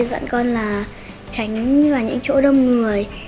mình mê dặn con là tránh những chỗ đông người